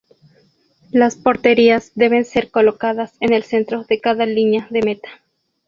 Las porterías deben ser colocadas en el centro de cada línea de meta.